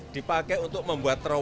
dipakai untuk membuat terowongan